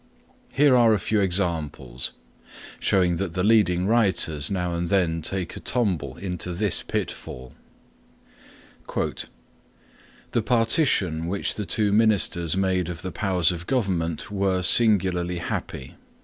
Here are a few examples showing that the leading writers now and then take a tumble into this pitfall: (1) "The partition which the two ministers made of the powers of government were singularly happy."